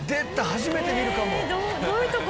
初めて見るかも。